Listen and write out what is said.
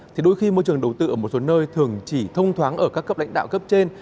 thì đôi khi môi trường đầu tư ở một số nơi thường chỉ thông thoáng ở các cấp lãnh đạo cấp trên